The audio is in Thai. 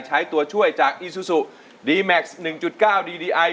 ใช้ตัวช่วยจากอิซุสุดีแม็กซ์หนึ่งจุดเก้าดีดีไอ